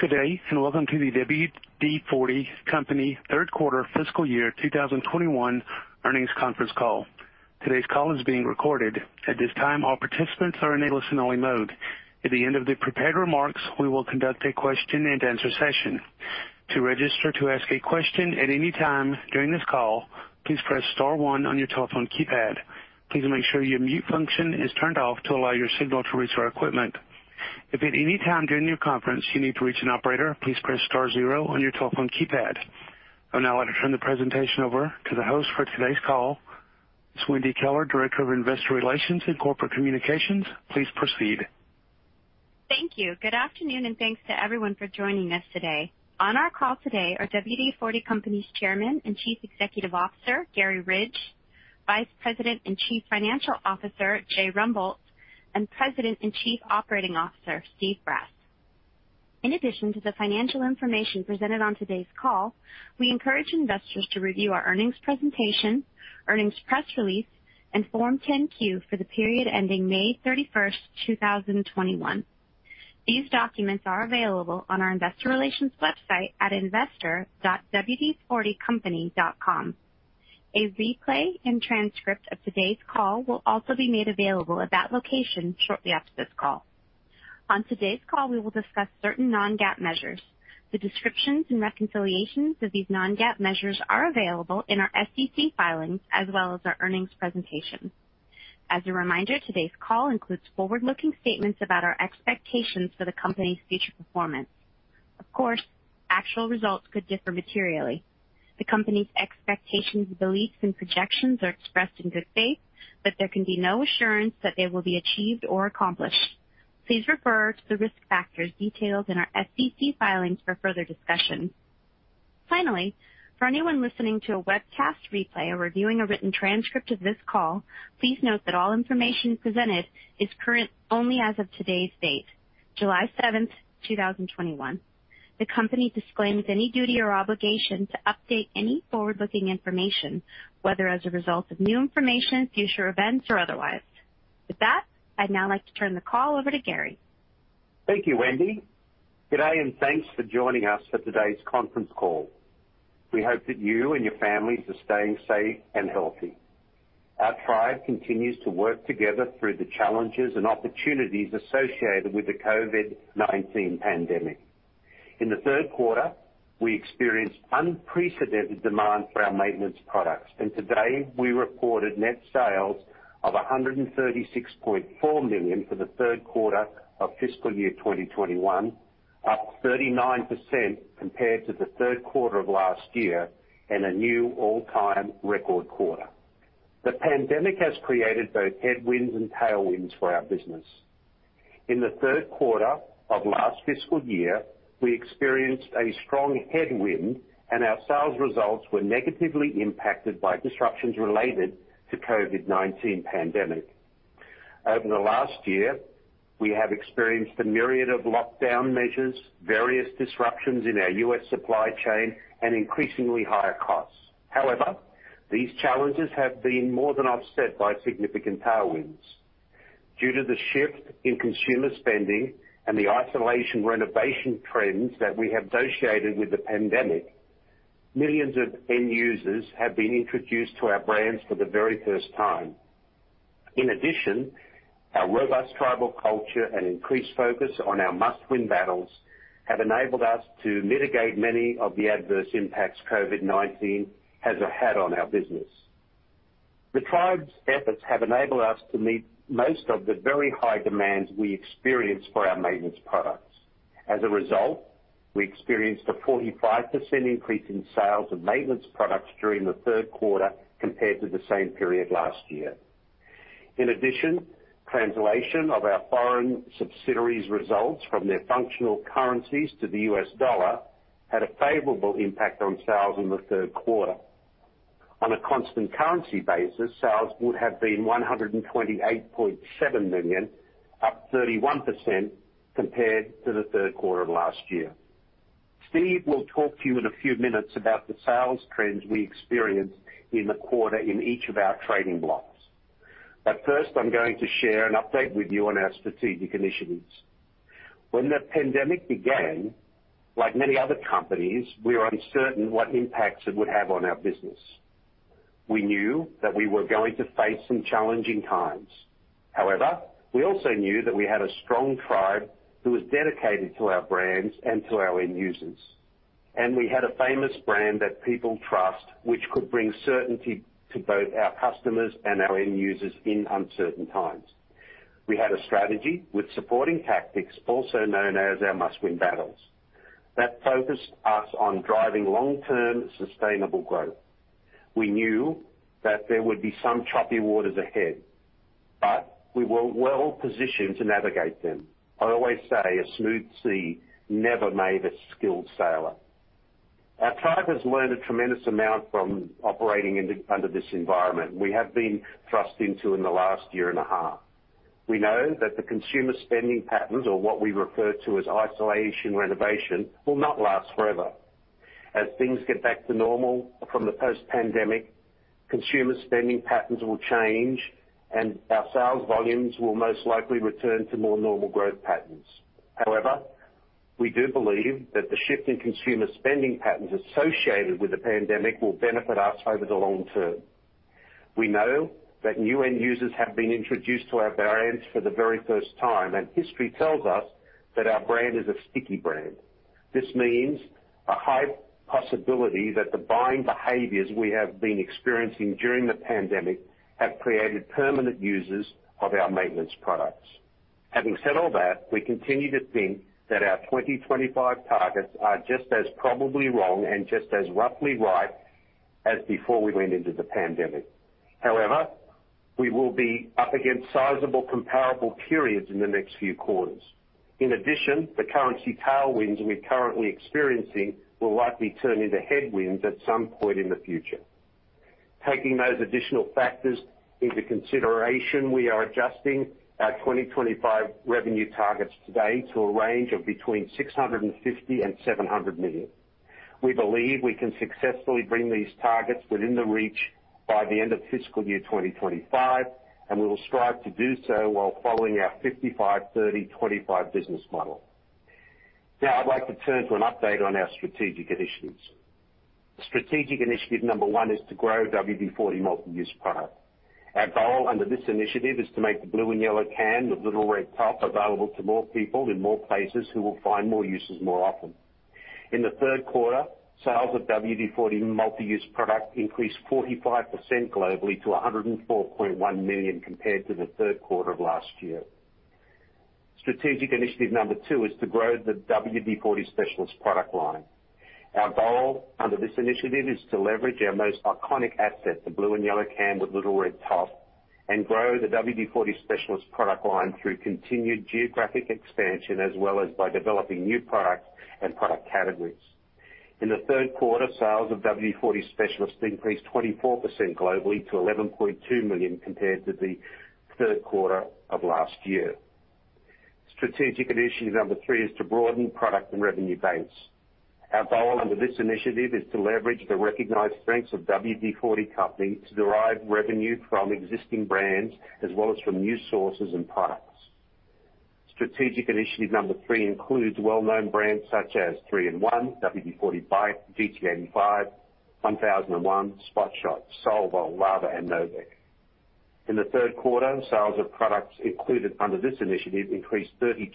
Today, you're welcome to the WD-40 Company third quarter fiscal year 2021 earnings conference call. Today's call is being recorded. At this time, all participants are in a listen-only mode. At the end of the prepared remarks, we will conduct a question-and-answer session. To register to ask a question at any time during this call, please press star one on your telephone keypad. Please make sure your mute function is turned off to allow your signal to reach our equipment. If at any time during the conference you need to reach an operator, please press star zero on your telephone keypad. I'd now like to turn the presentation over to the host for today's call, Ms. Wendy Kelley, Director of Investor Relations and Corporate Communications. Please proceed. Thank you. Good afternoon, and thanks to everyone for joining us today. On our call today are WD-40 Company's Chairman and Chief Executive Officer, Garry Ridge, Vice President and Chief Financial Officer, Jay Rembolt, and President and Chief Operating Officer, Steve Brass. In addition to the financial information presented on today's call, we encourage investors to review our earnings presentation, earnings press release, and Form 10-Q for the period ending May 31st, 2021. These documents are available on our Investor Relations website at investor.wd40company.com. A replay and transcript of today's call will also be made available at that location shortly after this call. On today's call, we will discuss certain non-GAAP measures. The descriptions and reconciliations of these non-GAAP measures are available in our SEC filings as well as our earnings presentation. As a reminder, today's call includes forward-looking statements about our expectations for the company's future performance. Of course, actual results could differ materially. The company's expectations, beliefs and projections are expressed in good faith, but there can be no assurance that they will be achieved or accomplished. Please refer to the risk factors detailed in our SEC filings for further discussion. Finally, for anyone listening to a webcast replay or reviewing a written transcript of this call, please note that all information presented is current only as of today's date, July 7th, 2021. The company disclaims any duty or obligation to update any forward-looking information, whether as a result of new information, future events, or otherwise. With that, I'd now like to turn the call over to Garry. Thank you, Wendy. Good day, and thanks for joining us for today's conference call. We hope that you and your families are staying safe and healthy. Our tribe continues to work together through the challenges and opportunities associated with the COVID-19 pandemic. In the third quarter, we experienced unprecedented demand for our maintenance products, and today we reported net sales of $136.4 million for the third quarter of fiscal year 2021, up 39% compared to the third quarter of last year, and a new all-time record quarter. The pandemic has created both headwinds and tailwinds for our business. In the third quarter of last fiscal year, we experienced a strong headwind, and our sales results were negatively impacted by disruptions related to COVID-19 pandemic. Over the last year, we have experienced a myriad of lockdown measures, various disruptions in our U.S. supply chain, and increasingly higher costs. However, these challenges have been more than offset by significant tailwinds. Due to the shift in consumer spending and the isolation renovation trends that we have associated with the pandemic, millions of end users have been introduced to our brands for the very first time. In addition, our robust tribal culture and increased focus on our must-win battles have enabled us to mitigate many of the adverse impacts COVID-19 has had on our business. The tribe's efforts have enabled us to meet most of the very high demands we experienced for our maintenance products. As a result, we experienced a 45% increase in sales of maintenance products during the third quarter compared to the same period last year. In addition, translation of our foreign subsidiaries results from their functional currencies to the U.S. dollar had a favorable impact on sales in the third quarter. On a constant currency basis, sales would have been $128.7 million, up 31% compared to the third quarter last year. Steve will talk to you in a few minutes about the sales trends we experienced in the quarter in each of our trading blocks. First, I'm going to share an update with you on our strategic initiatives. When the pandemic began, like many other companies, we were uncertain what impacts it would have on our business. We knew that we were going to face some challenging times. However, we also knew that we had a strong tribe who was dedicated to our brands and to our end users. We had a famous brand that people trust, which could bring certainty to both our customers and our end users in uncertain times. We had a strategy with supporting tactics, also known as our must-win battles, that focused us on driving long-term sustainable growth. We knew that there would be some choppy waters ahead, but we were well positioned to navigate them. I always say a smooth sea never made a skilled sailor. Our tribe has learned a tremendous amount from operating under this environment we have been thrust into in the last one and a half years. We know that the consumer spending patterns, or what we refer to as isolation renovation, will not last forever. As things get back to normal from the post-pandemic, consumer spending patterns will change and our sales volumes will most likely return to more normal growth patterns. However, we do believe that the shift in consumer spending patterns associated with the pandemic will benefit us over the long term. We know that new end users have been introduced to our brands for the very first time, and history tells us that our brand is a sticky brand. This means a high possibility that the buying behaviors we have been experiencing during the pandemic have created permanent users of our maintenance products. Having said all that, we continue to think that our 2025 targets are just as probably wrong and just as roughly right as before we went into the pandemic. However, we will be up against sizable comparable periods in the next few quarters. In addition, the currency tailwinds we're currently experiencing will likely turn into headwinds at some point in the future. Taking those additional factors into consideration, we are adjusting our 2025 revenue targets today to a range of between $650 million and $700 million. We believe we can successfully bring these targets within the reach by the end of fiscal year 2025, and we will strive to do so while following our 55/30/25 business model. Now I'd like to turn to an update on our strategic initiatives. Strategic initiative number one is to grow WD-40 Multi-Use Product. Our goal under this initiative is to make the blue and yellow can with the little red top available to more people in more places who will find more uses more often. In the third quarter, sales of WD-40 Multi-Use Product increased 45% globally to $104.1 million compared to the third quarter of last year. Strategic initiative number two is to grow the WD-40 Specialist product line. Our goal under this initiative is to leverage our most iconic asset, the blue and yellow can with the little red top, and grow the WD-40 Specialist product line through continued geographic expansion as well as by developing new products and product categories. In the third quarter, sales of WD-40 Specialist increased 24% globally to $11.2 million compared to the third quarter of last year. Strategic initiative number three is to broaden product and revenue base. Our goal under this initiative is to leverage the recognized strengths of WD-40 Company to derive revenue from existing brands as well as from new sources and products. Strategic initiative number three includes well-known brands such as 3-IN-ONE, WD-40 BIKE, GT85, 1001, Spot Shot, Solvol, Lava, and no vac. In the third quarter, sales of products included under this initiative increased 32%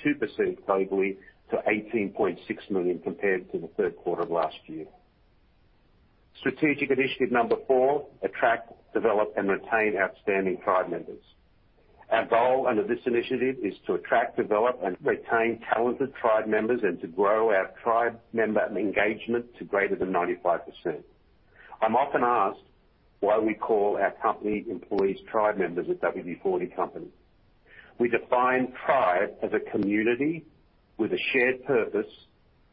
globally to $18.6 million compared to the third quarter of last year. Strategic initiative number four, attract, develop, and retain outstanding tribe members. Our goal under this initiative is to attract, develop, and retain talented tribe members and to grow our tribe member engagement to greater than 95%. I'm often asked why we call our company employees tribe members at WD-40 Company. We define tribe as a community with a shared purpose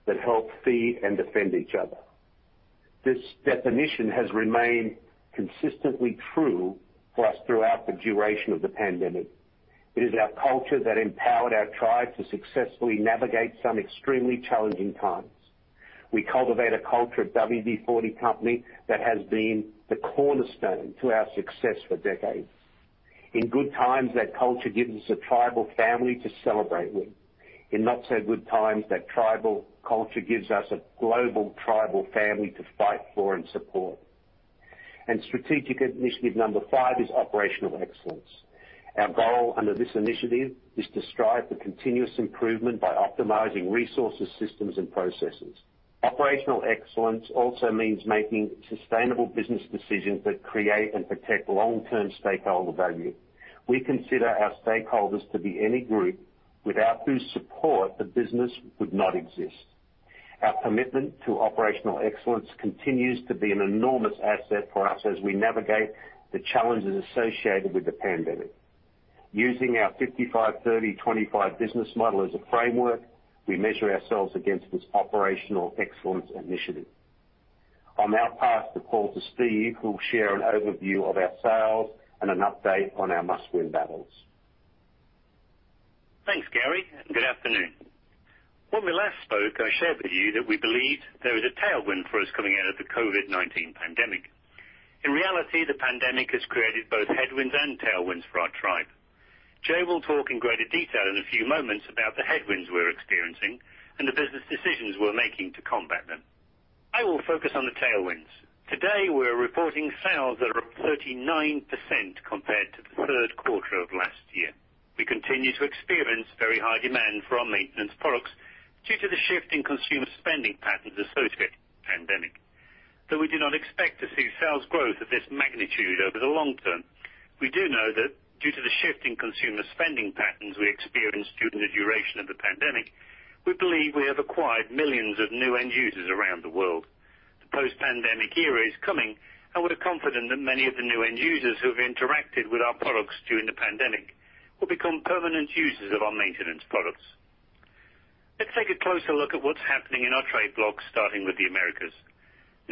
that help feed and defend each other. This definition has remained consistently true for us throughout the duration of the pandemic. It is our culture that empowered our tribe to successfully navigate some extremely challenging times. We cultivate a culture at WD-40 Company that has been the cornerstone to our success for decades. In good times, that culture gives us a tribal family to celebrate with. In not so good times, that tribal culture gives us a global tribal family to fight for and support. Strategic initiative number five is operational excellence. Our goal under this initiative is to strive for continuous improvement by optimizing resources, systems, and processes. Operational excellence also means making sustainable business decisions that create and protect long-term stakeholder value. We consider our stakeholders to be any group without whose support the business would not exist. Our commitment to operational excellence continues to be an enormous asset for us as we navigate the challenges associated with the pandemic. Using our 55/30/25 business model as a framework, we measure ourselves against this operational excellence initiative. I'll now pass the call to Steve, who will share an overview of our sales and an update on our must-win battles. Thanks, Garry, and good afternoon. When we last spoke, I shared with you that we believed there was a tailwind for us coming out of the COVID-19 pandemic. In reality, the pandemic has created both headwinds and tailwinds for our tribe. Jay will talk in greater detail in a few moments about the headwinds we're experiencing and the business decisions we're making to combat them. I will focus on the tailwinds. Today, we're reporting sales that are up 39% compared to the third quarter of last year. We continue to experience very high demand for our maintenance products due to the shift in consumer spending patterns associated with the pandemic. Though we do not expect to see sales growth of this magnitude over the long term, we do know that due to the shift in consumer spending patterns we experienced during the duration of the pandemic, we believe we have acquired millions of new end users around the world. The post-pandemic era is coming, and we're confident that many of the new end users who have interacted with our products during the pandemic will become permanent users of our maintenance products. Let's take a closer look at what's happening in our trade blocks, starting with the Americas.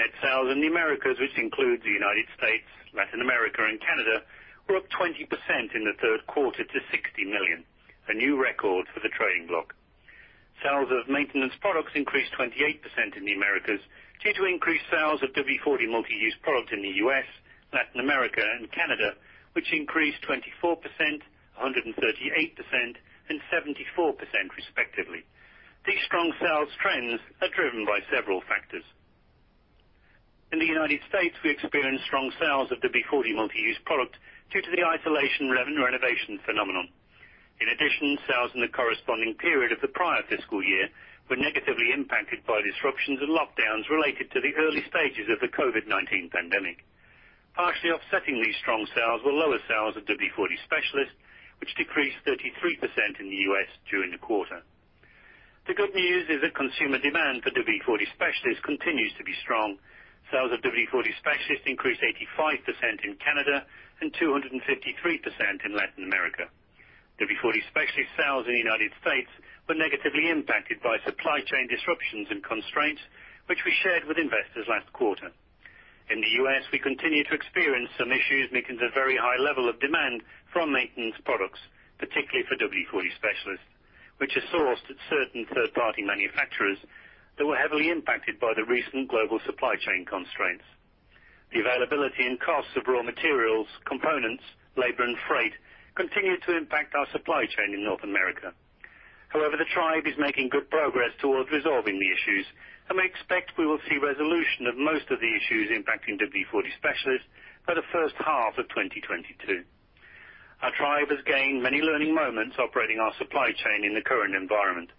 Net sales in the Americas, which includes the United States, Latin America, and Canada, were up 20% in the third quarter to $60 million, a new record for the trading block. Sales of maintenance products increased 28% in the Americas due to increased sales of WD-40 Multi-Use Product in the U.S., Latin America, and Canada, which increased 24%, 138%, and 74% respectively. These strong sales trends are driven by several factors. In the United States, we experienced strong sales of the WD-40 Multi-Use Product due to the isolation renovation phenomenon. In addition, sales in the corresponding period of the prior fiscal year were negatively impacted by disruptions and lockdowns related to the early stages of the COVID-19 pandemic. Partially offsetting these strong sales were lower sales of WD-40 Specialist, which decreased 33% in the U.S. during the quarter. The good news is that consumer demand for WD-40 Specialist continues to be strong. Sales of WD-40 Specialist increased 85% in Canada and 253% in Latin America. WD-40 Specialist sales in the U.S. were negatively impacted by supply chain disruptions and constraints, which we shared with investors last quarter. In the U.S., we continue to experience some issues because of very high level of demand from maintenance products, particularly for WD-40 Specialist, which is sourced at certain third-party manufacturers that were heavily impacted by the recent global supply chain constraints. The availability and cost of raw materials, components, labor, and freight continue to impact our supply chain in North America. The tribe is making good progress towards resolving the issues, and we expect we will see resolution of most of the issues impacting WD-40 Specialist by the first half of 2022. Our tribe has gained many learning moments operating our supply chain in the current environment.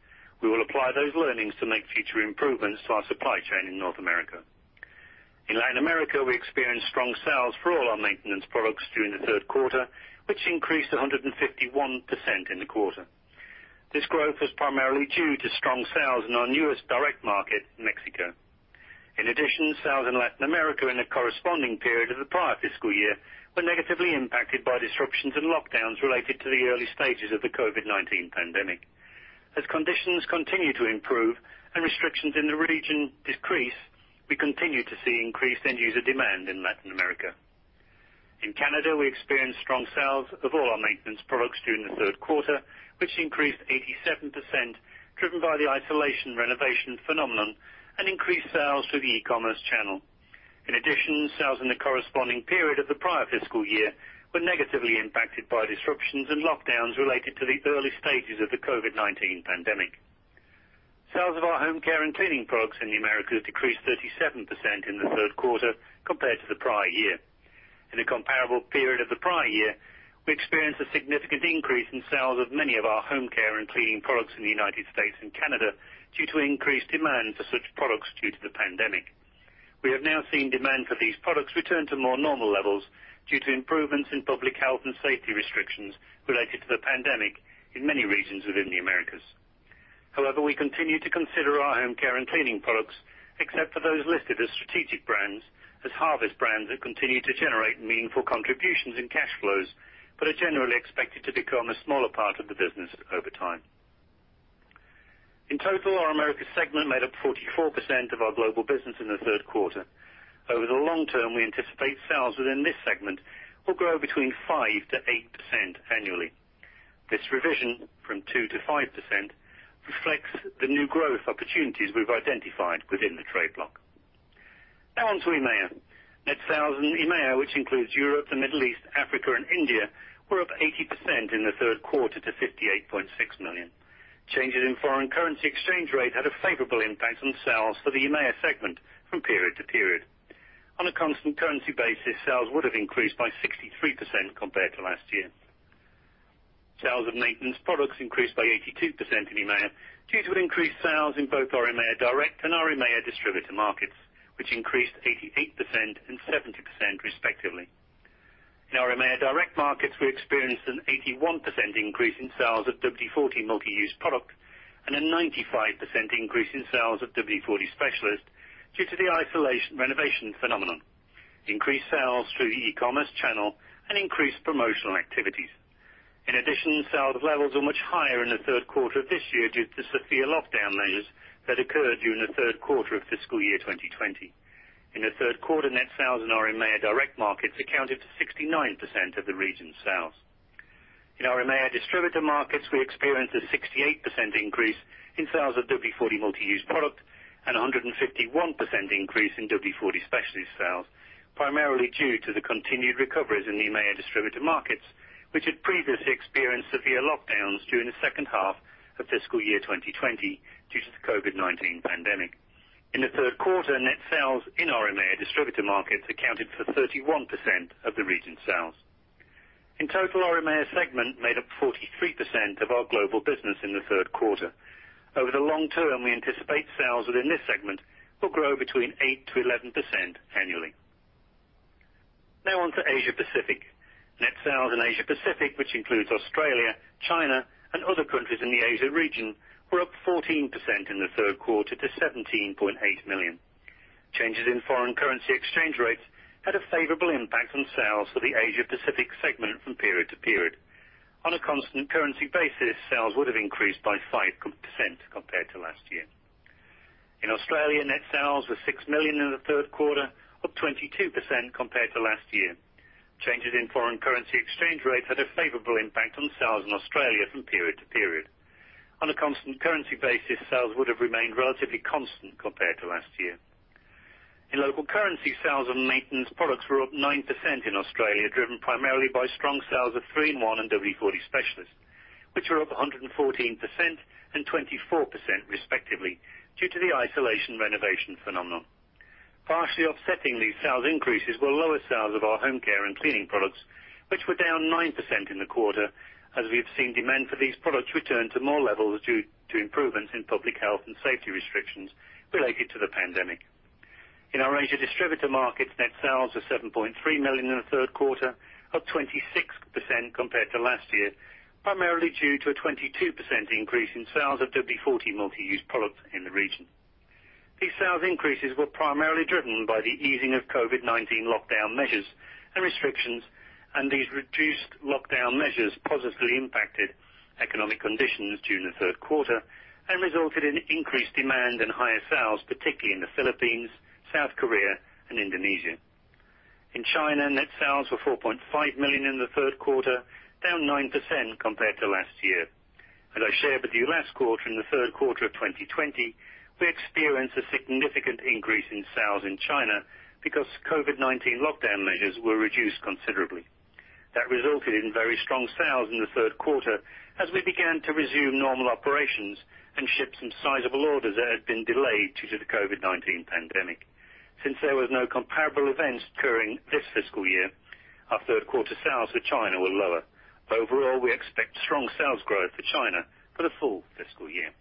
We will apply those learnings to make future improvements to our supply chain in North America. In Latin America, we experienced strong sales for all our maintenance products during the third quarter, which increased 151% in the quarter. This growth was primarily due to strong sales in our newest direct market, Mexico. In addition, sales in Latin America in the corresponding period of the prior fiscal year were negatively impacted by disruptions and lockdowns related to the early stages of the COVID-19 pandemic. As conditions continue to improve and restrictions in the region decrease, we continue to see increased end-user demand in Latin America. In Canada, we experienced strong sales of all our maintenance products during the third quarter, which increased 87%, driven by the isolation renovation phenomenon and increased sales through the e-commerce channel. In addition, sales in the corresponding period of the prior fiscal year were negatively impacted by disruptions and lockdowns related to the early stages of the COVID-19 pandemic. Sales of our home care and cleaning products in the Americas decreased 37% in the third quarter compared to the prior year. In the comparable period of the prior year, we experienced a significant increase in sales of many of our home care and cleaning products in the United States and Canada due to increased demand for such products due to the pandemic. We have now seen demand for these products return to more normal levels due to improvements in public health and safety restrictions related to the pandemic in many regions within the Americas. However, we continue to consider our home care and cleaning products, except for those listed as strategic brands, as harvest brands that continue to generate meaningful contributions and cash flows, but are generally expected to become a smaller part of the business over time. In total, our Americas segment made up 44% of our global business in the third quarter. Over the long term, we anticipate sales within this segment will grow between 5%-8% annually. This revision from 2% to 5% reflects the new growth opportunities we've identified within the trade block. Now on to EMEA. Net sales in EMEA, which includes Europe, the Middle East, Africa, and India, were up 80% in the third quarter to $58.6 million. Changes in foreign currency exchange rate had a favorable impact on sales for the EMEA segment from period to period. On a constant currency basis, sales would have increased by 63% compared to last year. Sales of maintenance products increased by 82% in EMEA due to increased sales in both our EMEA direct and our EMEA distributor markets, which increased 88% and 70% respectively. In our EMEA direct markets, we experienced an 81% increase in sales of WD-40 Multi-Use Product and a 95% increase in sales of WD-40 Specialist due to the isolation renovation phenomenon, increased sales through the e-commerce channel, and increased promotional activities. In addition, sales levels are much higher in the third quarter of this year due to the severe lockdown measures that occurred during the third quarter of fiscal year 2020. In the third quarter, net sales in our EMEA direct markets accounted to 69% of the region's sales. In our EMEA distributor markets, we experienced a 68% increase in sales of WD-40 Multi-Use Product and 151% increase in WD-40 Specialist sales, primarily due to the continued recoveries in EMEA distributor markets, which had previously experienced severe lockdowns during the second half of fiscal year 2020 due to the COVID-19 pandemic. In the third quarter, net sales in our EMEA distributor markets accounted for 31% of the region's sales. In total, our EMEA segment made up 43% of our global business in the third quarter. Over the long term, we anticipate sales within this segment will grow between 8%-11% annually. Now on to Asia Pacific. Net sales in Asia Pacific, which includes Australia, China, and other countries in the Asia region, were up 14% in the third quarter to $17.8 million. Changes in foreign currency exchange rates had a favorable impact on sales for the Asia Pacific segment from period to period. On a constant currency basis, sales would have increased by 5% compared to last year. In Australia, net sales were $6 million in the third quarter, up 22% compared to last year. Changes in foreign currency exchange rates had a favorable impact on sales in Australia from period to period. On a constant currency basis, sales would have remained relatively constant compared to last year. In local currency, sales of maintenance products were up 9% in Australia, driven primarily by strong sales of 3-IN-ONE and WD-40 Specialist, which are up 114% and 24% respectively due to the isolation renovation phenomenon. Partially offsetting these sales increases were lower sales of our home care and cleaning products, which were down 9% in the quarter as we have seen demand for these products return to normal levels due to improvements in public health and safety restrictions related to the pandemic. In our Asia distributor markets, net sales were $7.3 million in the third quarter, up 26% compared to last year, primarily due to a 22% increase in sales of WD-40 Multi-Use Product in the region. These sales increases were primarily driven by the easing of COVID-19 lockdown measures and restrictions. These reduced lockdown measures positively impacted economic conditions during the third quarter and resulted in increased demand and higher sales, particularly in the Philippines, South Korea, and Indonesia. In China, net sales were $4.5 million in the third quarter, down 9% compared to last year. As I shared for the last quarter, in the third quarter of 2020, we experienced a significant increase in sales in China because COVID-19 lockdown measures were reduced considerably. That resulted in very strong sales in the third quarter as we began to resume normal operations and ship some sizable orders that had been delayed due to the COVID-19 pandemic. Since there was no comparable events occurring this fiscal year, our third quarter sales for China were lower. Overall, we expect strong sales growth for China for the full fiscal year.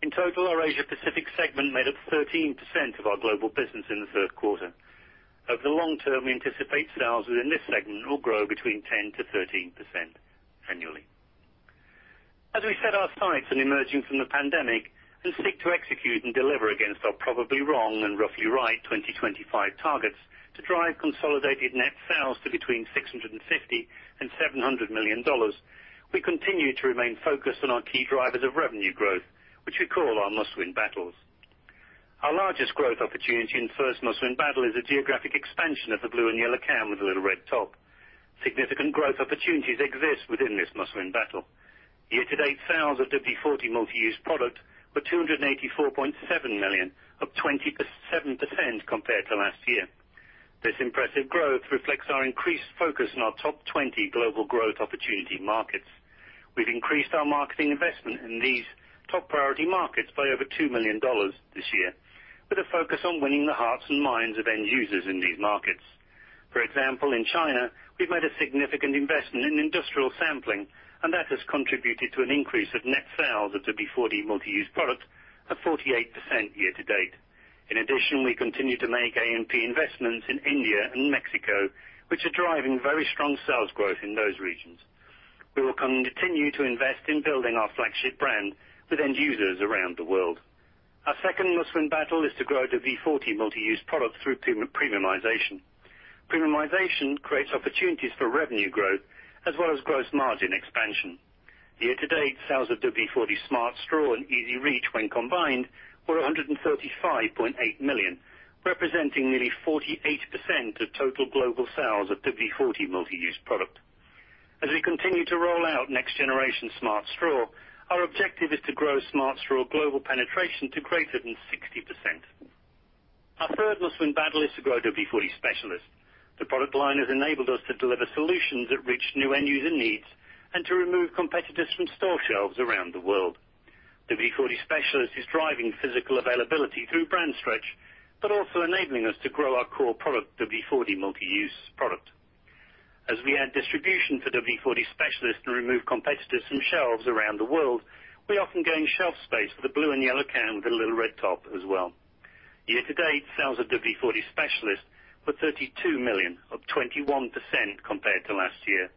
In total, our Asia Pacific segment made up 13% of our global business in the third quarter. Over the long term, we anticipate sales within this segment will grow between 10%-13% annually. As we set our sights on emerging from the pandemic and seek to execute and deliver against our probably wrong and roughly right 2025 targets to drive consolidated net sales to between $650 million and $700 million, we continue to remain focused on our key drivers of revenue growth, which we call our must-win battles. Our largest growth opportunity and first must-win battle is the geographic expansion of the blue and yellow can with a little red top. Significant growth opportunities exist within this must-win battle. Year-to-date sales of WD-40 Multi-Use Product were $284.7 million, up 27% compared to last year. This impressive growth reflects our increased focus on our top 20 global growth opportunity markets. We've increased our marketing investment in these top priority markets by over $2 million this year with a focus on winning the hearts and minds of end users in these markets. For example, in China, we made a significant investment in industrial sampling, that has contributed to an increase of net sales of WD-40 Multi-Use Product of 48% year-to-date. In addition, we continue to make A&P investments in India and Mexico, which are driving very strong sales growth in those regions. We will continue to invest in building our flagship brand with end users around the world. Our second must-win battle is the growth of WD-40 Multi-Use Product through premiumization. Premiumization creates opportunities for revenue growth as well as gross margin expansion. Year-to-date sales of WD-40 Smart Straw and EZ-Reach, when combined, were $135.8 million, representing nearly 48% of total global sales of WD-40 Multi-Use Product. As we continue to roll out next generation Smart Straw, our objective is to grow Smart Straw global penetration to greater than 60%. Our third must-win battle is the growth of WD-40 Specialist. The product line has enabled us to deliver solutions that reach new end user needs and to remove competitors from store shelves around the world. WD-40 Specialist is driving physical availability through brand stretch, but also enabling us to grow our core product, WD-40 Multi-Use Product. As we add distribution to WD-40 Specialist to remove competitors from shelves around the world, we often gain shelf space for the blue and yellow can with a little red top as well. Year-to-date sales of WD-40 Specialist were $32 million, up 21% compared to last year.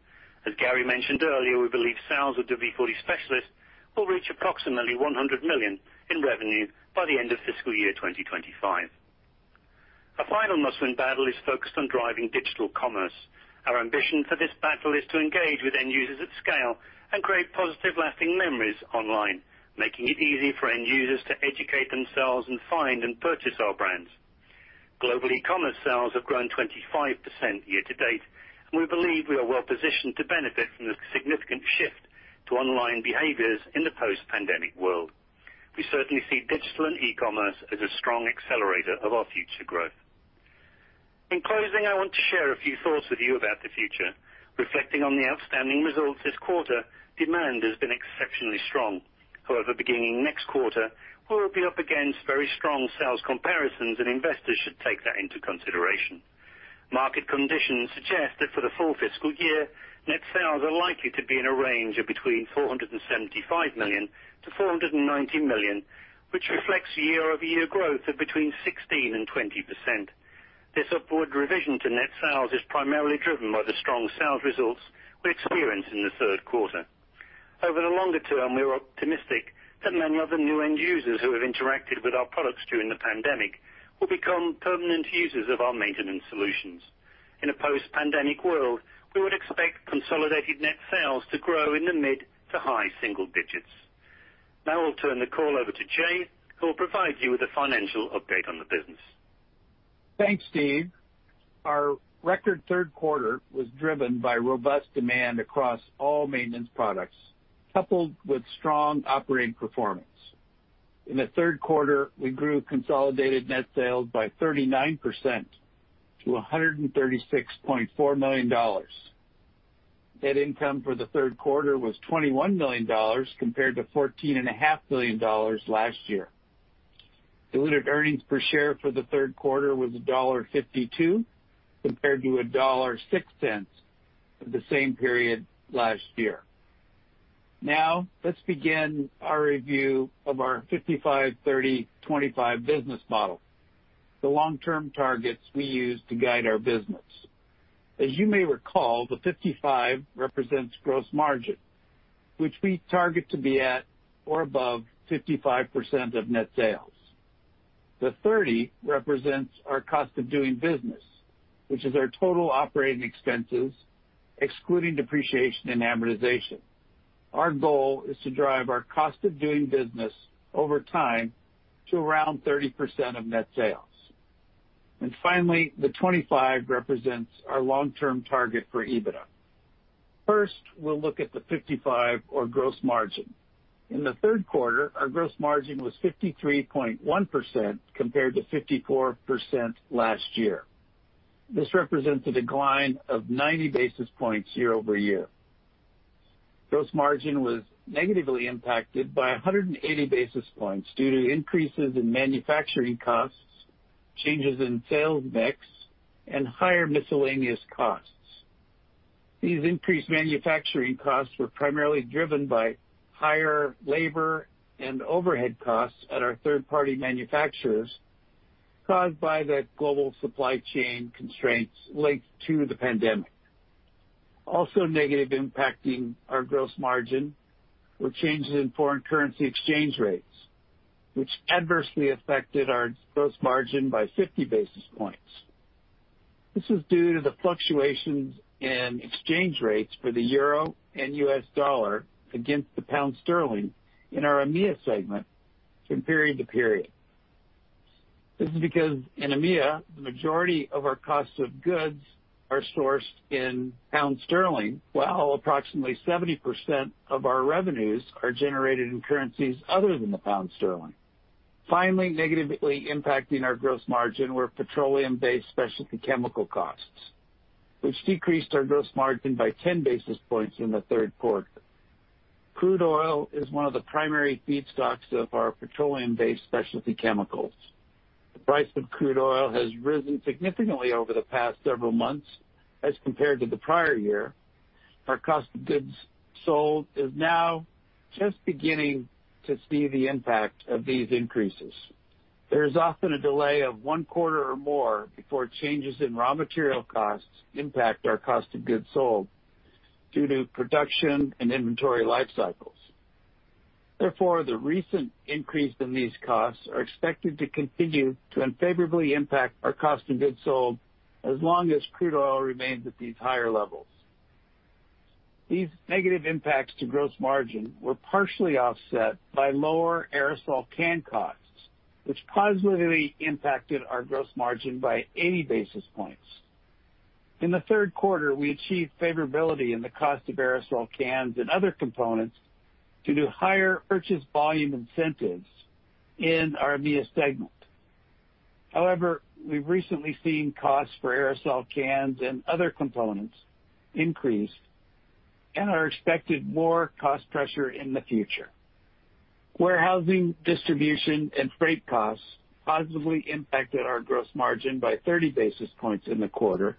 As Garry mentioned earlier, we believe sales of WD-40 Specialist will reach approximately $100 million in revenue by the end of fiscal year 2025. Our final must-win battle is focused on driving digital commerce. Our ambition for this battle is to engage with end users at scale and create positive lasting memories online, making it easy for end users to educate themselves and find and purchase our brands. Global e-commerce sales have grown 25% year-to-date, and we believe we are well positioned to benefit from the significant shift to online behaviors in the post-pandemic world. We certainly see digital and e-commerce as a strong accelerator of our future growth. In closing, I want to share a few thoughts with you about the future. Reflecting on the outstanding results this quarter, demand has been exceptionally strong. However, beginning next quarter, we will be up against very strong sales comparisons, and investors should take that into consideration. Market conditions suggest that for the full fiscal year, net sales are likely to be in a range of between $475 million-$490 million, which reflects year-over-year growth of between 16% and 20%. This upward revision to net sales is primarily driven by the strong sales results we experienced in the third quarter. Over the longer term, we are optimistic that many of the new end users who have interacted with our products during the pandemic will become permanent users of our maintenance solutions. In a post-pandemic world, we would expect consolidated net sales to grow in the mid to high single-digits. Now we'll turn the call over to Jay, who will provide you with a financial update on the business. Thanks, Steve. Our record third quarter was driven by robust demand across all maintenance products, coupled with strong operating performance. In the third quarter, we grew consolidated net sales by 39% to $136.4 million. Net income for the third quarter was $21 million compared to $14.5 million last year. Diluted earnings per share for the third quarter was $1.52 compared to $1.06 for the same period last year. Let's begin our review of our 55/30/25 business model, the long-term targets we use to guide our business. As you may recall, the 55 represents gross margin, which we target to be at or above 55% of net sales. The 30 represents our cost of doing business, which is our total operating expenses, excluding depreciation and amortization. Our goal is to drive our cost of doing business over time to around 30% of net sales. Finally, the 25 represents our long-term target for EBITDA. First, we'll look at the 55 or gross margin. In the third quarter, our gross margin was 53.1% compared to 54% last year. This represented a decline of 90 basis points year-over-year. Gross margin was negatively impacted by 180 basis points due to increases in manufacturing costs, changes in sales mix, and higher miscellaneous costs. These increased manufacturing costs were primarily driven by higher labor and overhead costs at our third-party manufacturers caused by the global supply chain constraints linked to the pandemic. Also negative impacting our gross margin were changes in foreign currency exchange rates, which adversely affected our gross margin by 50 basis points. This is due to the fluctuations in exchange rates for the euro and U.S. dollar against the pound sterling in our EMEA segment from period to period. This is because in EMEA, the majority of our cost of goods are sourced in pound sterling, while approximately 70% of our revenues are generated in currencies other than the pound sterling. Finally, negatively impacting our gross margin were petroleum-based specialty chemical costs, which decreased our gross margin by 10 basis points in the third quarter. Crude oil is one of the primary feedstocks of our petroleum-based specialty chemicals. The price of crude oil has risen significantly over the past several months as compared to the prior year. Our cost of goods sold is now just beginning to see the impact of these increases. There is often a delay of one quarter or more before changes in raw material costs impact our cost of goods sold due to production and inventory life cycles. Therefore, the recent increase in these costs are expected to continue to unfavorably impact our cost of goods sold as long as crude oil remains at these higher levels. These negative impacts to gross margin were partially offset by lower aerosol can costs, which positively impacted our gross margin by 80 basis points. In the third quarter, we achieved favorability in the cost of aerosol cans and other components due to higher purchase volume incentives in our EMEA segment. However, we've recently seen costs for aerosol cans and other components increase and are expecting more cost pressure in the future. Warehousing, distribution, and freight costs positively impacted our gross margin by 30 basis points in the quarter,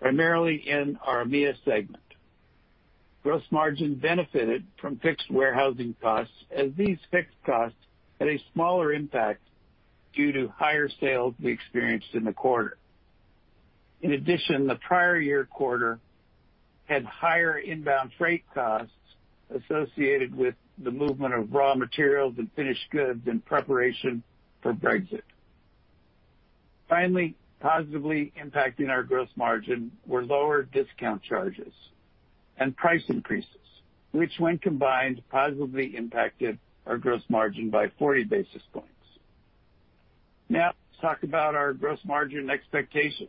primarily in our EMEA segment. Gross margin benefited from fixed warehousing costs as these fixed costs had a smaller impact due to higher sales we experienced in the quarter. In addition, the prior year quarter had higher inbound freight costs associated with the movement of raw materials and finished goods in preparation for Brexit. Finally, positively impacting our gross margin were lower discount charges and price increases, which when combined, positively impacted our gross margin by 40 basis points. Now, let's talk about our gross margin expectations.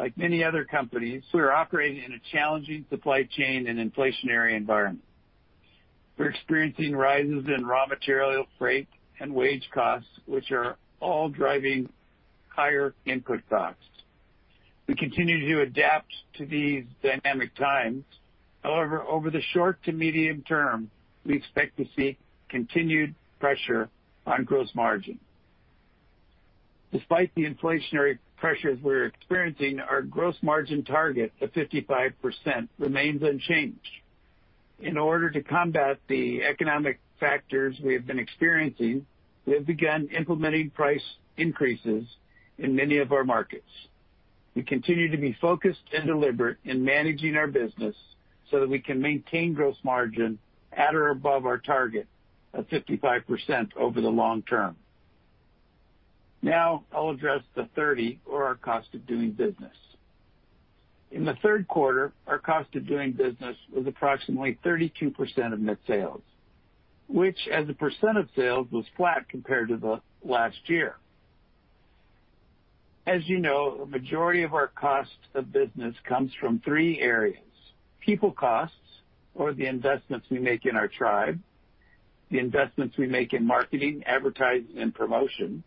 Like many other companies, we are operating in one challenging supply chain and inflationary environment. We're experiencing rises in raw material, freight, and wage costs, which are all driving higher input costs. We continue to adapt to these dynamic times. However, over the short to medium term, we expect to see continued pressure on gross margin. Despite the inflationary pressures we're experiencing, our gross margin target of 55% remains unchanged. In order to combat the economic factors we have been experiencing, we have begun implementing price increases in many of our markets. We continue to be focused and deliberate in managing our business so that we can maintain gross margin at or above our target of 55% over the long term. Now I'll address the 30 or our cost of doing business. In the third quarter, our cost of doing business was approximately 32% of net sales, which as a percent of sales was flat compared to the last year. As you know, a majority of our cost of business comes from three areas, people costs or the investments we make in our tribe, the investments we make in marketing, advertising, and promotion.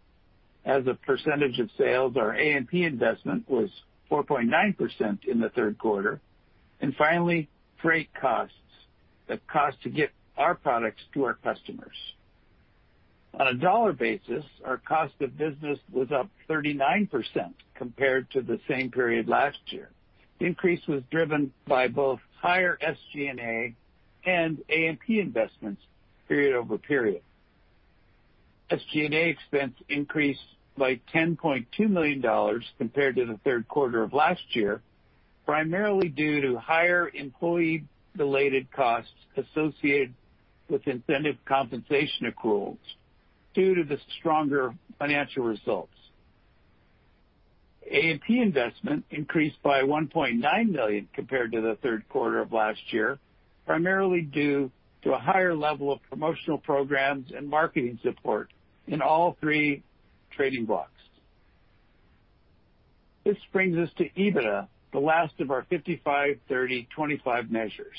As a percentage of sales, our A&P investment was 4.9% in the third quarter. Finally, freight costs, the cost to get our products to our customers. On a dollar basis, our cost of business was up 39% compared to the same period last year. The increase was driven by both higher SG&A and A&P investments period over period. SG&A expense increased by $10.2 million compared to the third quarter of last year, primarily due to higher employee-related costs associated with incentive compensation accruals due to the stronger financial results. A&P investment increased by $1.9 million compared to the third quarter of last year, primarily due to a higher level of promotional programs and marketing support in all three trading blocks. This brings us to EBITDA, the last of our 55/30/25 measures.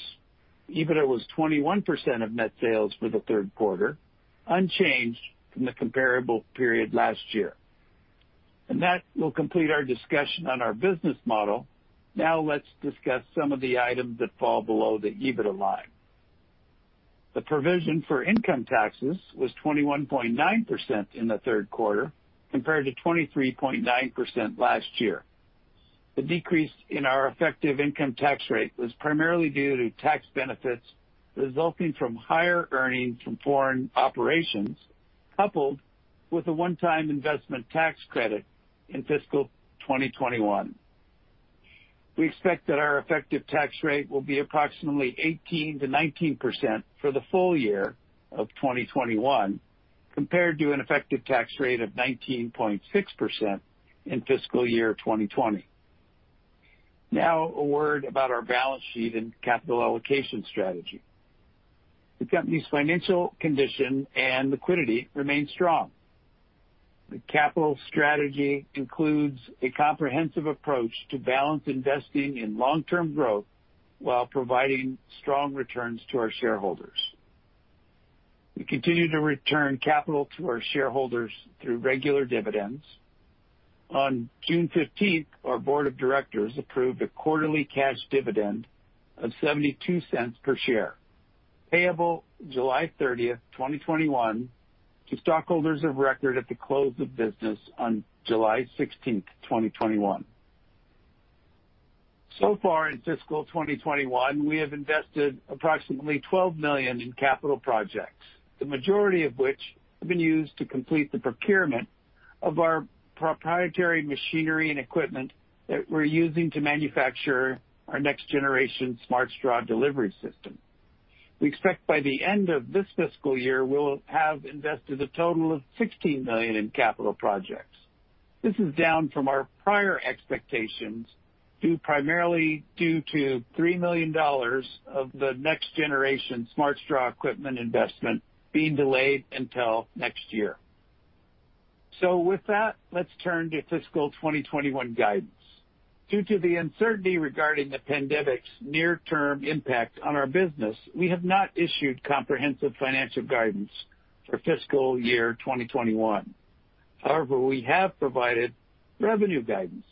EBITDA was 21% of net sales for the third quarter, unchanged from the comparable period last year. That will complete our discussion on our business model. Now let's discuss some of the items that fall below the EBITDA line. The provision for income taxes was 21.9% in the third quarter, compared to 23.9% last year. The decrease in our effective income tax rate was primarily due to tax benefits resulting from higher earnings from foreign operations, coupled with a one-time investment tax credit in fiscal 2021. We expect that our effective tax rate will be approximately 18%-19% for the full year of 2021, compared to an effective tax rate of 19.6% in fiscal year 2020. A word about our balance sheet and capital allocation strategy. The company's financial condition and liquidity remain strong. The capital strategy includes a comprehensive approach to balance investing in long-term growth while providing strong returns to our shareholders. We continue to return capital to our shareholders through regular dividends. On June 15th, our Board of Directors approved a quarterly cash dividend of $0.72 per share, payable July 30th, 2021, to stockholders of record at the close of business on July 16th, 2021. Far in fiscal 2021, we have invested approximately $12 million in capital projects, the majority of which have been used to complete the procurement of our proprietary machinery and equipment that we're using to manufacture our next generation Smart Straw delivery system. We expect by the end of this fiscal year, we'll have invested a total of $16 million in capital projects. This is down from our prior expectations, primarily due to $3 million of the next generation Smart Straw equipment investment being delayed until next year. With that, let's turn to fiscal 2021 guidance. Due to the uncertainty regarding the pandemic's near-term impact on our business, we have not issued comprehensive financial guidance for fiscal year 2021. However, we have provided revenue guidance.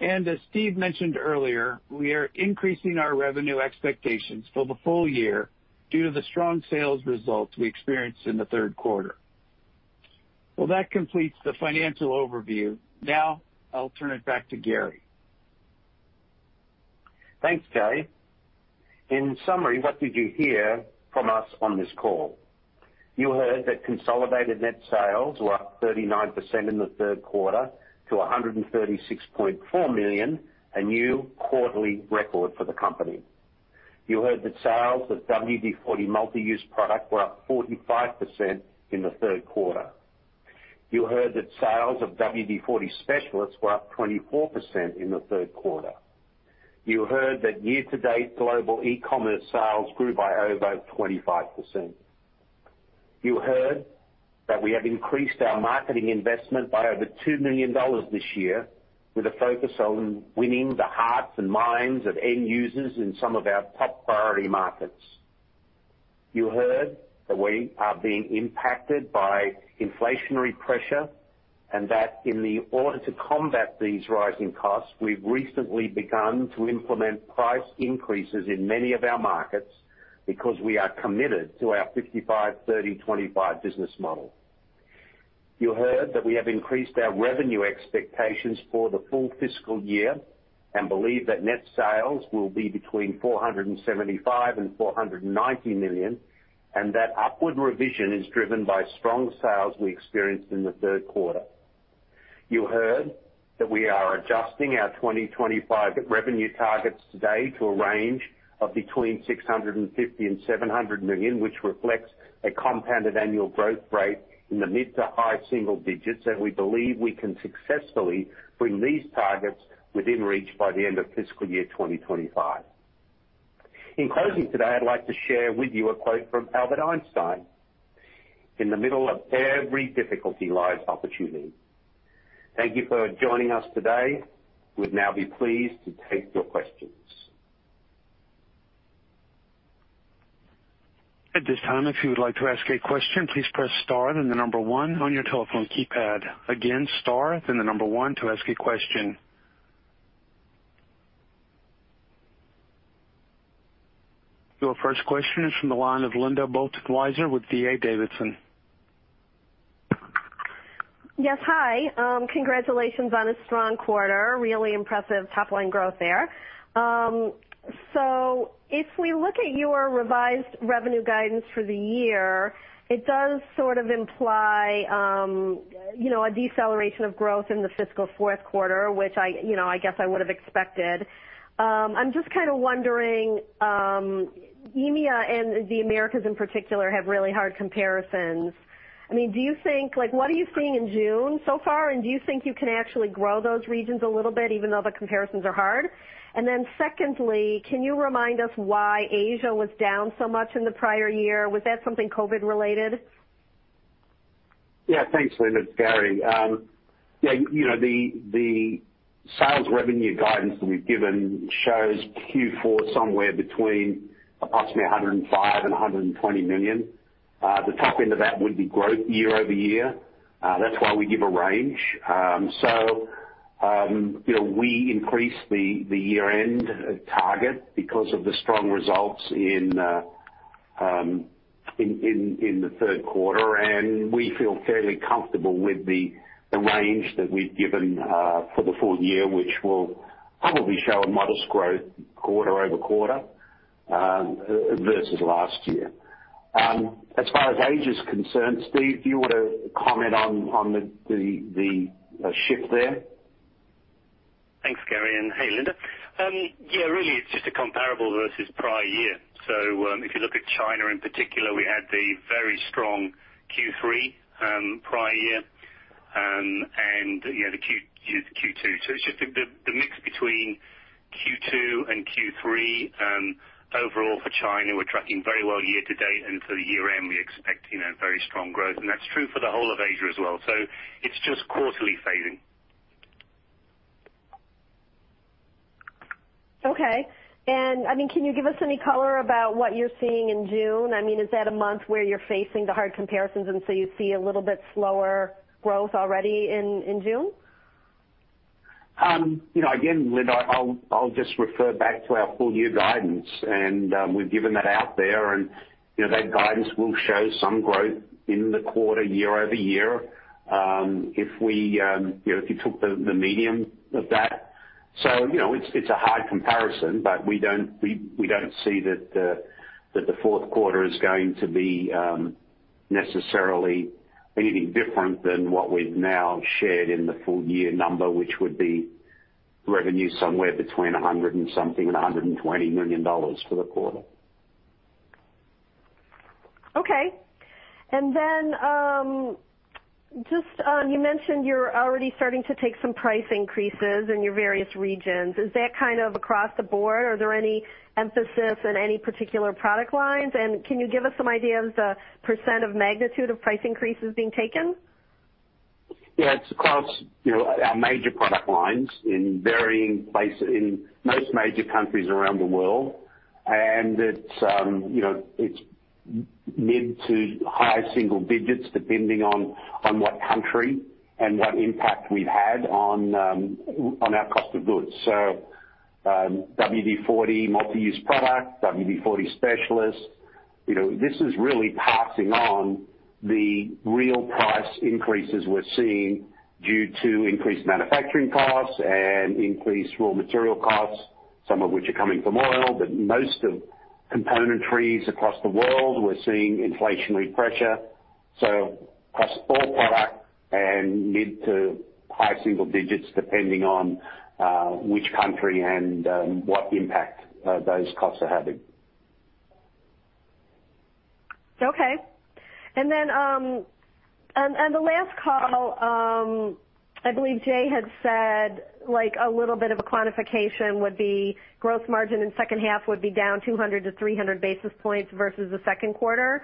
As Steve mentioned earlier, we are increasing our revenue expectations for the full year due to the strong sales results we experienced in the third quarter. Well, that completes the financial overview. Now I'll turn it back to Garry. Thanks, Jay. In summary, what did you hear from us on this call? You heard that consolidated net sales were up 39% in the third quarter to $136.4 million, a new quarterly record for the company. You heard that sales of WD-40 Multi-Use Product were up 45% in the third quarter. You heard that sales of WD-40 Specialist were up 24% in the third quarter. You heard that year-to-date global e-commerce sales grew by over 25%. You heard that we have increased our marketing investment by over $2 million this year with a focus on winning the hearts and minds of end users in some of our top priority markets. You heard that we are being impacted by inflationary pressure and that in order to combat these rising costs, we've recently begun to implement price increases in many of our markets because we are committed to our 55/30/25 business model. You heard that we have increased our revenue expectations for the full fiscal year and believe that net sales will be between $475 million and $490 million, and that upward revision is driven by strong sales we experienced in the third quarter. You heard that we are adjusting our 2025 revenue targets today to a range of between $650 million and $700 million, which reflects a compounded annual growth rate in the mid to high single-digits, and we believe we can successfully bring these targets within reach by the end of fiscal year 2025. In closing today, I'd like to share with you a quote from Albert Einstein, "In the middle of every difficulty lies opportunity." Thank you for joining us today. We'd now be pleased to take your questions. At this time, if you would like to ask a question, please press star then the number one on your telephone keypad. Again star then the number one to ask a question. Your first question is from the line of Linda Bolton Weiser with D.A. Davidson. Yes. Hi. Congratulations on a strong quarter. Really impressive top-line growth there. If we look at your revised revenue guidance for the year, it does sort of imply a deceleration of growth in the fiscal fourth quarter, which I guess I would have expected. I'm just kind of wondering, EMEA and the Americas in particular have really hard comparisons. What are you seeing in June so far? Do you think you can actually grow those regions a little bit even though the comparisons are hard? Secondly, can you remind us why Asia was down so much in the prior year? Was that something COVID-19 related? Yeah. Thanks, Linda. It's Garry. Yeah, the sales revenue guidance that we've given shows Q4 somewhere between approximately $105 million and $120 million. The top end of that would be growth year-over-year. That's why we give a range. We increased the year-end target because of the strong results in the third quarter, and we feel fairly comfortable with the range that we've given for the full year, which will probably show modest growth quarter-over-quarter versus last year. As far as Asia is concerned, Steve, do you want to comment on the shift there? Thanks, Garry, and hey, Linda. Yeah, really it's just a comparable versus prior year. If you look at China in particular, we had a very strong Q3 prior year, and the Q2. It's just the mix between Q2 and Q3 overall for China. We're tracking very well year-to-date, and for the year-end, we expect very strong growth. That's true for the whole of Asia as well. It's just quarterly phasing. Okay. Can you give us any color about what you're seeing in June? Is that a month where you're facing the hard comparisons and so you see a little bit slower growth already in June? Linda, I'll just refer back to our full year guidance, and we've given that out there, and that guidance will show some growth in the quarter year-over-year if you took the median of that. It's a hard comparison, but we don't see that the fourth quarter is going to be necessarily anything different than what we've now shared in the full year number, which would be revenue somewhere between $100 million and something and $120 million for the quarter. Okay. You mentioned you're already starting to take some price increases in your various regions. Is that kind of across the board? Are there any emphasis on any particular product lines? Can you give us some idea on the percent of magnitude of price increases being taken? It's across our major product lines in most major countries around the world. It's mid to high single-digits, depending on what country and what impact we had on our cost of goods. WD-40 Multi-Use Product, WD-40 Specialist. This is really passing on the real price increases we're seeing due to increased manufacturing costs and increased raw material costs, some of which are coming from oil. Most of components across the world, we're seeing inflationary pressure. Across all products and mid to high single-digits, depending on which country and what impact those costs are having. Okay. On the last call, I believe Jay had said a little bit of a quantification with the gross margin in the second half would be down 200-300 basis points versus the second quarter.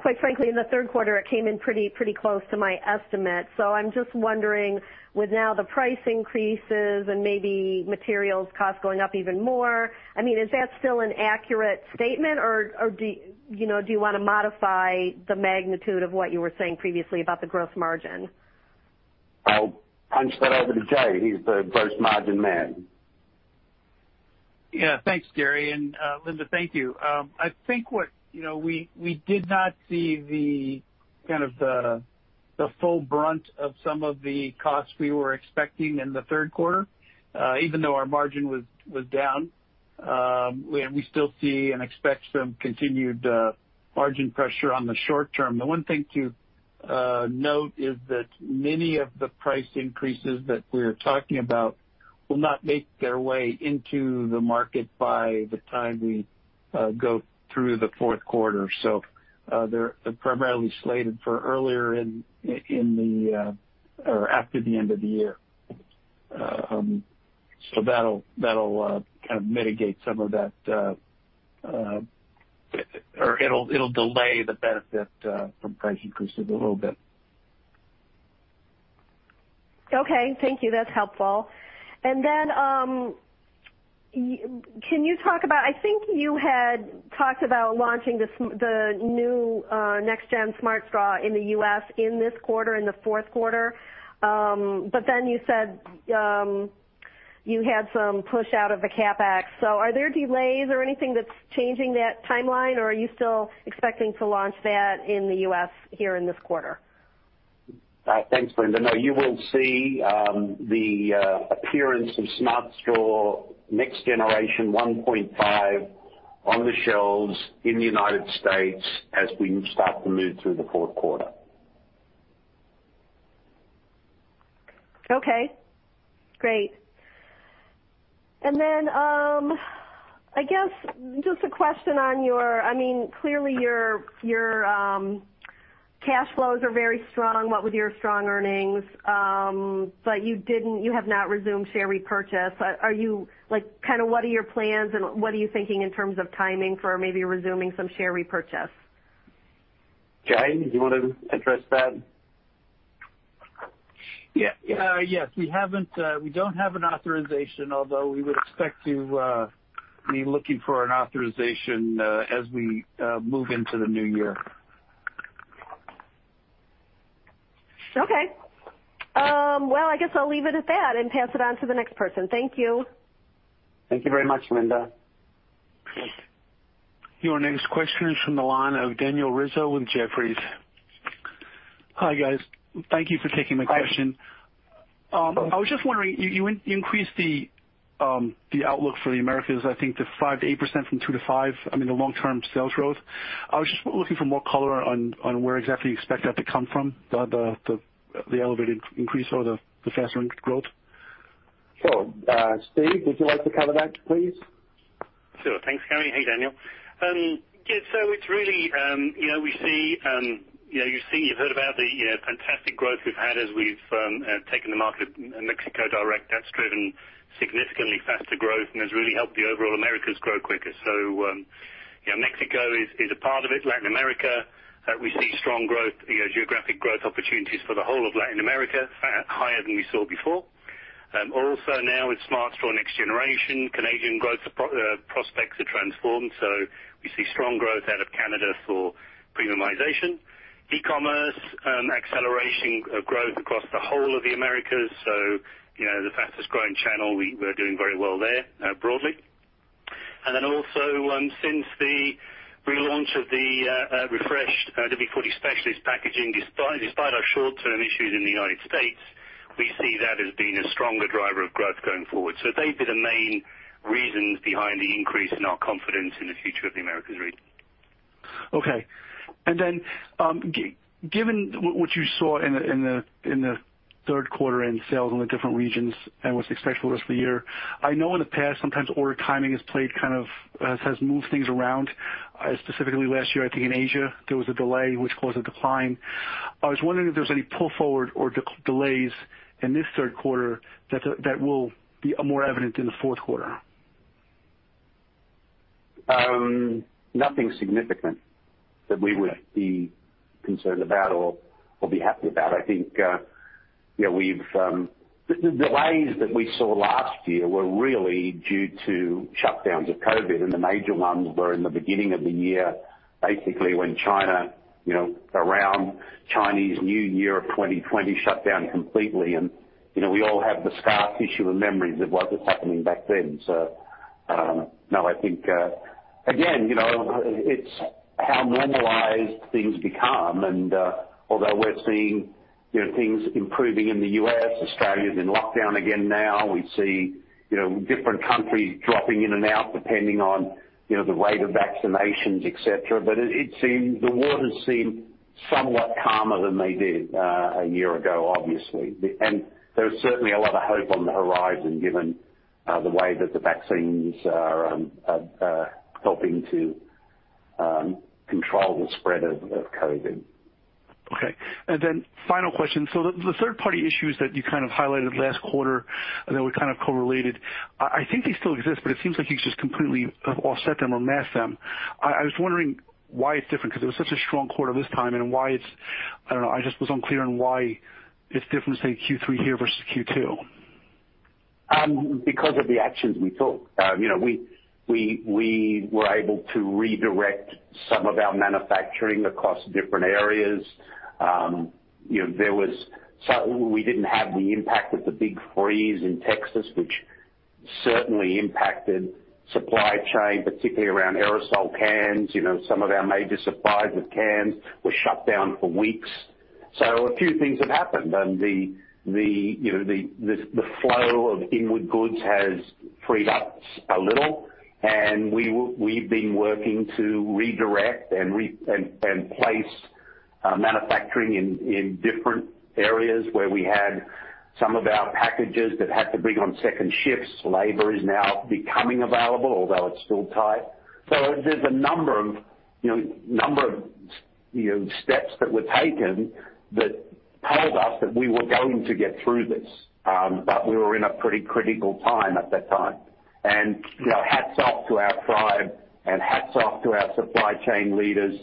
Quite frankly, in the third quarter, it came in pretty close to my estimate. I'm just wondering, with now the price increases and maybe materials cost going up even more, is that still an accurate statement, or do you want to modify the magnitude of what you were saying previously about the gross margin? I'll hand you over to Jay. He's the gross margin man. Yeah. Thanks, Garry and Linda, thank you. I think we did not see the full brunt of some of the costs we were expecting in the third quarter, even though our margin was down. We still see and expect some continued margin pressure on the short term. The one thing to note is that many of the price increases that we're talking about will not make their way into the market by the time we go through the fourth quarter. They're primarily slated for after the end of the year. That'll mitigate some of that, or it'll delay the benefit from price increases a little bit. Okay. Thank you. That's helpful. I think you had talked about launching the new next gen Smart Straw in the U.S. in this quarter, in the fourth quarter. You said, you had some push out of the CapEx. Are there delays or anything that's changing that timeline? Are you still expecting to launch that in the U.S. here in this quarter? Thanks, Linda. No, you will see the appearance of Smart Straw next generation 1.5 on the shelves in the United States as we start to move through the fourth quarter. Okay, great. I guess just a question on your, clearly your cash flows are very strong, what with your strong earnings, but you have not resumed share repurchase. What are your plans and what are you thinking in terms of timing for maybe resuming some share repurchase? Jay, do you want to address that? Yes. We don't have an authorization, although we would expect to be looking for an authorization as we move into the new year. Okay. Well, I guess I'll leave it at that and pass it on to the next person. Thank you. Thank you very much, Linda. Your next question is from the line of Daniel Rizzo with Jefferies. Hi, guys. Thank you for taking my question. Hi. I was just wondering, you increased the outlook for the Americas, I think to 5%-8% from 2%-5%, I mean, the long-term sales growth. I was just looking for more color on where exactly you expect that to come from, the elevated increase or the sales growth? Sure. Steve, would you like to cover that, please? Sure. Thanks, Garry. Hey, Daniel. Yeah, you heard about the fantastic growth we've had as we've taken the market in Mexico direct. That's driven significantly faster growth and has really helped the overall Americas grow quicker. Mexico is a part of it. Latin America, we see strong growth, geographic growth opportunities for the whole of Latin America, higher than we saw before. Also now with Smart Straw next generation, Canadian growth prospects are transformed. We see strong growth out of Canada for premiumization. E-commerce acceleration growth across the whole of the Americas, so the fastest growing channel, we're doing very well there broadly. Also, since the relaunch of the refreshed WD-40 Specialist packaging, despite our short-term issues in the United States, we see that as being a stronger driver of growth going forward. They'd be the main reasons behind the increase in our confidence in the future of the Americas region. Okay. Given what you saw in the third quarter in sales in the different regions and what's expected rest of the year, I know in the past sometimes order timing has played, kind of has moved things around. Specifically last year, I think in Asia, there was a delay which caused a decline. I was wondering if there's any pull forward or delays in this third quarter that will be more evident in the fourth quarter. Nothing significant that we would be concerned about or be happy about. I think the delays that we saw last year were really due to shutdowns of COVID and the major ones were in the beginning of the year, basically when China, around Chinese New Year of 2020 shut down completely. We all have the scar tissue and memories of what was happening back then. No, I think, again, it's how normalized things become. Although we're seeing things improving in the U.S., Australia's in lockdown again now. We see different countries dropping in and out depending on the rate of vaccinations, et cetera. The waters seem somewhat calmer than they did a year ago, obviously. There's certainly a lot of hope on the horizon given the way that the vaccines are helping to control the spread of COVID. Okay. Final question. The third party issues that you highlighted last quarter, and they were kind of correlated, I think they still exist, but it seems like you've just completely offset them or masked them. I was wondering why it's different because it was such a strong quarter this time and why it's, I don't know, I just was unclear on why it's different, say, Q3 here versus Q2. Because of the actions we took, we were able to redirect some of our manufacturing across different areas. We didn't have the impact of the big freeze in Texas, which certainly impacted supply chain, particularly around aerosol cans. Some of our major suppliers of cans were shut down for weeks. A few things have happened and the flow of inward goods has freed up a little and we've been working to redirect and place manufacturing in different areas where we had some of our packages that had to bring on second shifts. Labor is now becoming available, although it's still tight. There's a number of steps that were taken that told us that we were going to get through this, but we were in a pretty critical time at that time. Hats off to our tribe and hats off to our supply chain leaders.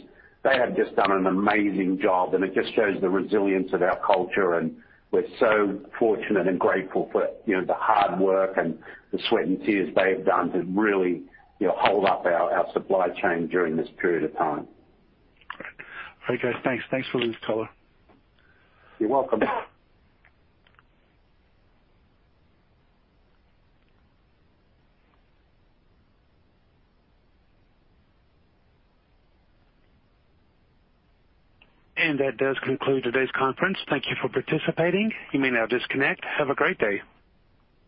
They have just done an amazing job and it just shows the resilience of our culture and we're so fortunate and grateful for the hard work and the sweat and tears they've done to really hold up our supply chain during this period of time. Okay. Thanks for this color. You're welcome. That does conclude today's conference. Thank you for participating. You may now disconnect. Have a great day.